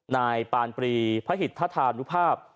นายปานปรีพระหิตธานุภาพ